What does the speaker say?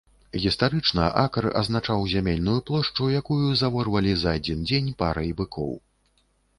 Гістарычна акр азначаў зямельную плошчу, якую заворвалі за адзін дзень парай быкоў.